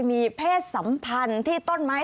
มีเพศสัมพันธ์ที่ต้นไม้